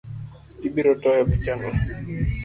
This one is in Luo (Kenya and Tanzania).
Ibirotoyo pichano